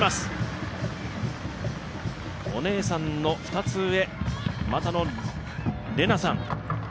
お姉さんの２つ上、俣野レナさん。